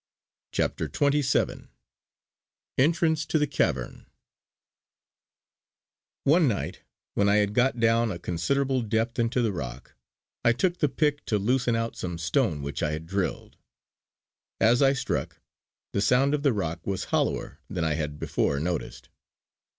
CHAPTER XXVII ENTRANCE TO THE CAVERN One night, when I had got down a considerable depth into the rock, I took the pick to loosen out some stone which I had drilled. As I struck, the sound of the rock was hollower than I had before noticed.